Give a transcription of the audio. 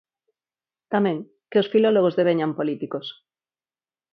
Tamén, que os filólogos deveñan políticos.